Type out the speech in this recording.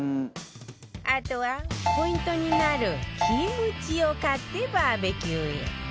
あとはポイントになるキムチを買ってバーベキューへ